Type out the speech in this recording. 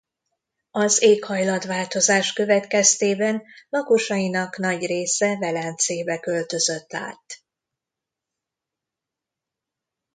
Az éghajlatváltozás következtében lakosainak nagy része Velencébe költözött át.